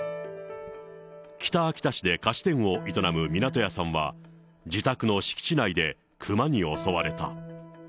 北秋田市で菓子店を営む湊屋さんは、自宅の敷地内でクマに襲われた。